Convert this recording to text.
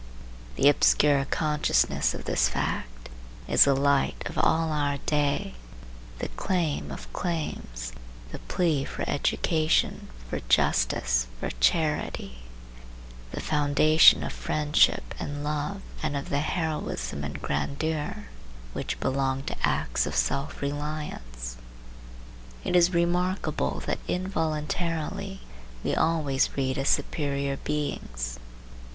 The obscure consciousness of this fact is the light of all our day, the claim of claims; the plea for education, for justice, for charity; the foundation of friendship and love and of the heroism and grandeur which belong to acts of self reliance. It is remarkable that involuntarily we always read as superior beings.